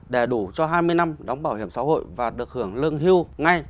để đủ cho hai mươi năm đóng bảo hiểm xã hội và được hưởng lương hưu ngay